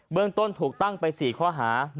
เมืองต้นถูกตั้งไป๔ข้อหา